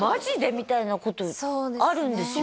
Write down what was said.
みたいなことあるんですよ